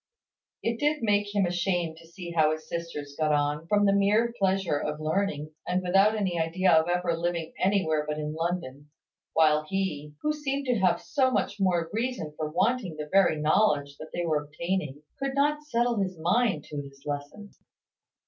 It did make him ashamed to see how his sisters got on, from the mere pleasure of learning, and without any idea of ever living anywhere but in London; while he, who seemed to have so much more reason for wanting the very knowledge that they were obtaining, could not settle his mind to his lessons.